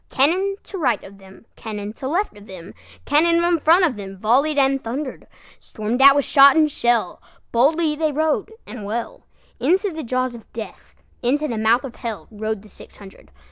Cannon to right of them, Cannon to left of them, Cannon in front of themVolley'd and thunder'd; Storm'd at with shot and shell, Boldly they rode and well, Into the jaws of Death, Into the mouth of HellRode the six hundred.